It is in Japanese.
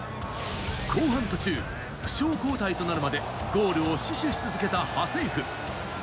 後半途中、負傷交代となるまでゴールを死守し続けたハセイフ。